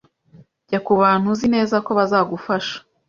Jya kubantu uzi neza ko bazagufasha